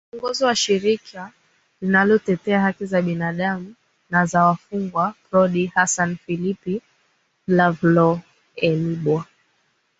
kiongozi wa shirika linalotetea haki za binaadam na za wafungwa prodi hass phillip lavloenibwa